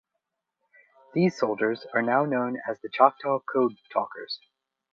These soldiers are now known as the Choctaw code talkers.